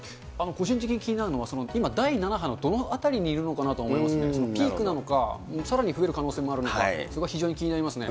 個人的に気になるのが、今、第７波のどのあたりにいるのかなと思いますね、ピークなのか、さらに増える可能性があるのか、そこが非常に気になりますね。